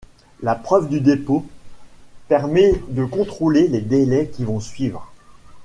La preuve du dépôt permet de contrôler les délais qui vont suivre.